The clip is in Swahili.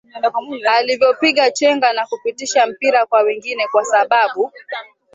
Alivyopiga chenga na kupitisha mpira kwa wengine kwasababu